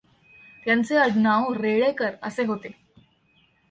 त्यांचे आडनाव रेळेकर असे होते.